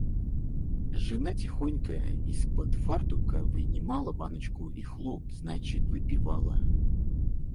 А жена тихонько из-под фартука вынимала баночку и хлоп, значит, выпивала.